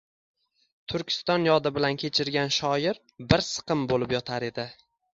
Turkiston yodi bilan kechirgan shoir bir siqim bo’lib yotar edi.